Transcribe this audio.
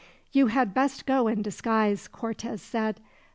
"You had best go in disguise," Cortez said.